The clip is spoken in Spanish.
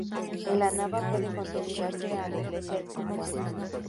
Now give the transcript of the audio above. En La Nava puede contemplarse la iglesia de San Juan.